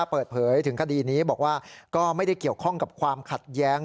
เปิดเผยถึงคดีนี้บอกว่าก็ไม่ได้เกี่ยวข้องกับความขัดแย้ง